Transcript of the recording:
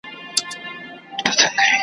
پرون د چا وه، نن د چا، سبا د چا په نصیب؟ .